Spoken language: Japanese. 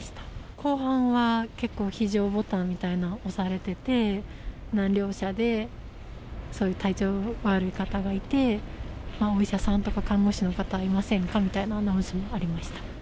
後半は結構、非常ボタンみたいの押されてて、何両車でそういう体調悪い方がいて、お医者さんとか看護師の方いませんかみたいなアナウンスもありま